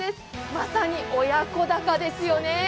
まさに親子鷹ですよね。